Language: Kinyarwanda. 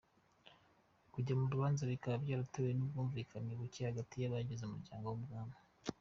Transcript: Kujya mu rubanza bikaba byaratewe n’ubwumvikane buke hagati y’abagize umuryango w’Umwami.